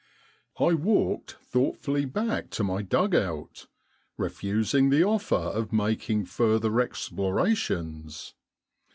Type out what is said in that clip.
I walked thoughtfully back to my dug out, refusing the offer of making further explora tions.